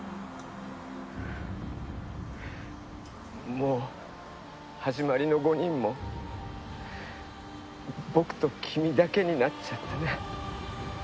もうはじまりの５人も僕と君だけになっちゃったね。